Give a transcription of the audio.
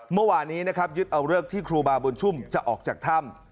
เมื่อวานนี้นะครับยึดเอาเลิกที่ครูบาบุญชุมจะออกจากถ้ำ